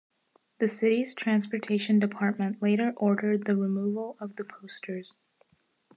The city's transportation department later ordered the removal of the posters.